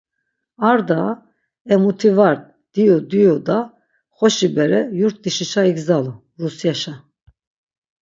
Ar daa, e muti var, diyu diyu da xoşi bere yurt dişişa igzalu, Rusyaşa.